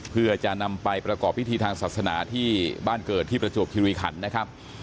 เพื่อจะนำไปประกอบพิธีทางศาสนาที่บ้านเกิดที่ประจวบคิริขันนะครับ